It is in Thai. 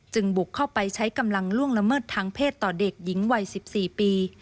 บุกเข้าไปใช้กำลังล่วงละเมิดทางเพศต่อเด็กหญิงวัย๑๔ปี